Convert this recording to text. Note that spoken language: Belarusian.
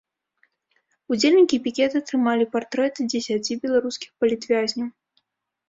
Удзельнікі пікета трымалі партрэты дзесяці беларускіх палітвязняў.